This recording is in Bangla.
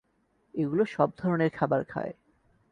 এগুলো সব ধরনের খাবার খায়।